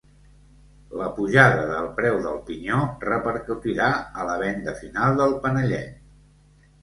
La pujada del preu del pinyó repercutirà a la venda final del panellet.